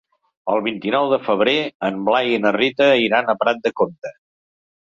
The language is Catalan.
El vint-i-nou de febrer en Blai i na Rita iran a Prat de Comte.